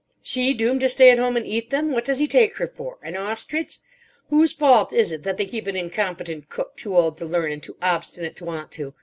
She, doomed to stay at home and eat them. What does he take her for? An ostrich? Whose fault is it that they keep an incompetent cook too old to learn and too obstinate to want to?